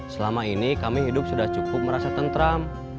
selama ini kami hidup sudah cukup merasa tentram